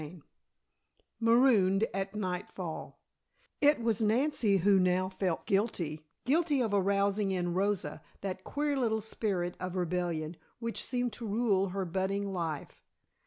CHAPTER X MAROONED AT NIGHTFALL It was Nancy who now felt guilty guilty of arousing in Rosa that queer little spirit of rebellion which seemed to rule her budding life.